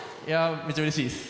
めっちゃうれしいです。